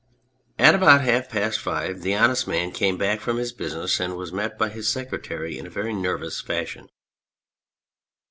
At about half past five the Honest Man came back from his business, and was met by his secretary in a very nervous fashion.